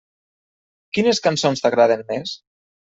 Quines cançons t'agraden més?